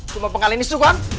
cuma pengalih nisu kan